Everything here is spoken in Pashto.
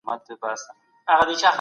ډیپلوماټان چیرته د مدني ټولني ملاتړ کوي؟